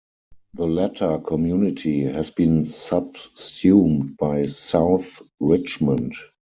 The latter community has been subsumed by South Richmond.